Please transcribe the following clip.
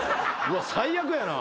最悪やな。